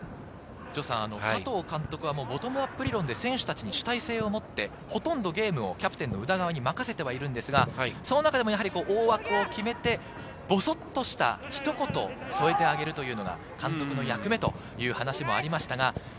佐藤監督はボトムアップ理論で選手たちに主体性を持って、ほとんどゲームをキャプテンの宇田川に任せてはいるんですが、その中でも大枠を決めてボソっとしたひと言を添えてあげるというのが監督の役目という話もありました。